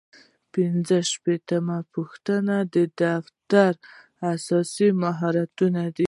پنځه شپیتم سوال د دفتر اساسي مهارتونه دي.